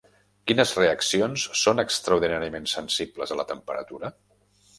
Quines reaccions són extraordinàriament sensibles a la temperatura?